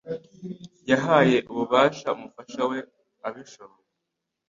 Yahaye ububasha umufasha we ubishoboye